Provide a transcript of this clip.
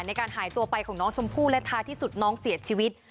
ในการหายตัวไปของน้องชมพู่และท้ายที่สุดน้องเสียชีวิต